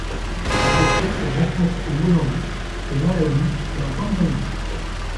Cette espèce se rencontre au Mozambique, au Malawi et en Tanzanie.